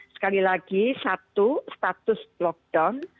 sekali lagi satu status lockdown